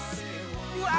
うわ！